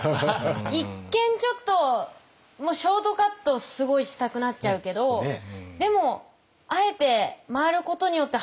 一見ちょっとショートカットすごいしたくなっちゃうけどでもあえて回ることによって速くなるっていう。